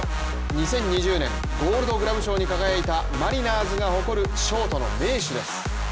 ２０２０年ゴールドグラブ賞に輝いたマリナーズが誇るショートの名手です。